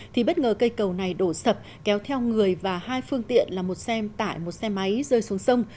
thì bất ngờ cây cầu này đổ sập kéo theo người và hai phương tiện là một xe tải một xe máy rơi xuống sông